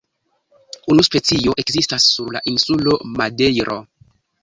Unu specio ekzistas sur la insulo Madejro.